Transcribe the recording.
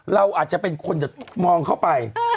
เราอาจจะเป็นคนมองเข้าไป